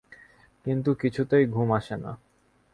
কিন্তু কিছুতেই ঘুম আসে না।